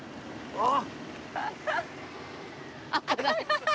あっ。